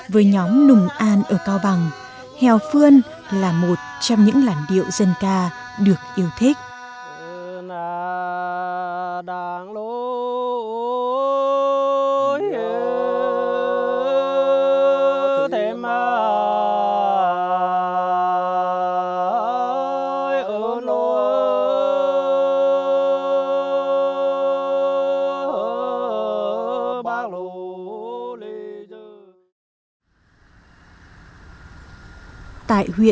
với nhóm nùng an ở cao bằng hèo phương là một trong những làn điệu dân ca được yêu thích